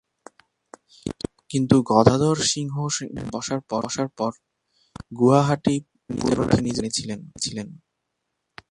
কিন্তু গদাধর সিংহ সিংহাসনের বসার পর গুয়াহাটি পুনরায় নিজের অধীনে এনেছিলেন।